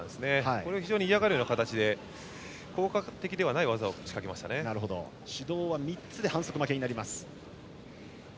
これを非常に嫌がるような形で効果的ではない技を指導は３つで反則負けです。